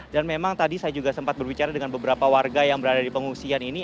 dan memang tadi saya juga sempat berbicara dengan beberapa warga yang berada di pengungsian ini